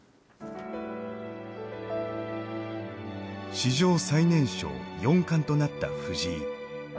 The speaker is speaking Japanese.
史上最年少四冠となった藤井。